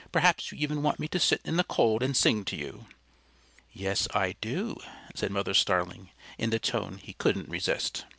Perhaps you even want me to sit in the cold and sing to you?" "Yes, I do," said Mother Starling in the tone he couldn't resist.